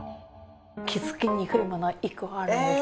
気付くにくいもの１個あるんです。